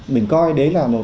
mình coi đấy là một